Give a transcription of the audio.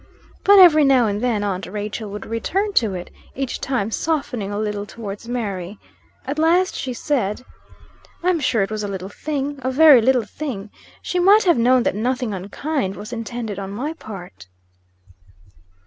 But, every now and then, aunt Rachel would return to it, each time softening a little towards Mary. At last she said: "I'm sure it was a little thing. A very little thing. She might have known that nothing unkind was intended on my part."